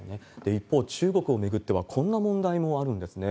一方、中国を巡ってはこんな問題もあるんですね。